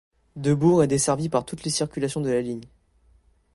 Debourg est desservie par toutes les circulations de la ligne.